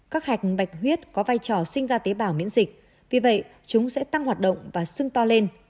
các hạch bạch huyết có vai trò sinh ra tế bào miễn dịch vì vậy chúng sẽ tăng hoạt động và sưng to lên